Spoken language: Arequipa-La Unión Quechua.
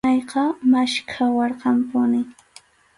Madrinayqa maskhawarqanpunim.